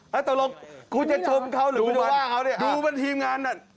แล้วตลกครูจะชมเขาหรือว่าเขาดิดูมันทีมงานน่ะ